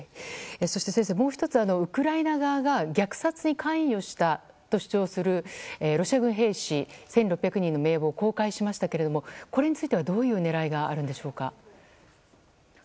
そして、先生もう１つウクライナ側が虐殺に関与したと主張するロシア軍兵士１６００人の名簿を公開しましたが、これについてはどういう狙いがあるんでしょうか。